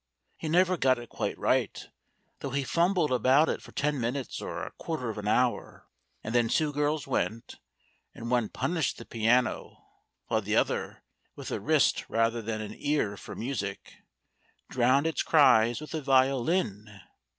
He never got it quite right, though he fumbled about it for ten minutes or a quarter of an hour. And then two girls went, and one punished the piano while the other, with a wrist rather than an ear for music, drowned its cries with a violin.